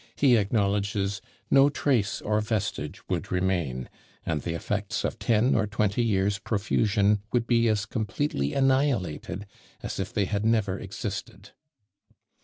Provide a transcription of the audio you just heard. he acknowledges "no trace or vestige would remain; and the effects of ten or twenty years' profusion would be as completely annihilated as if they had never existed."